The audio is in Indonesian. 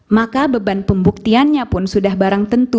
maka beban pembuktiannya pun sudah barang tentu